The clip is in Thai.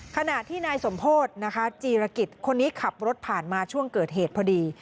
ขณะที่นายสมโพธินะคะจีรกิจคนนี้ขับรถผ่านมาช่วงเกิดเหตุพอดี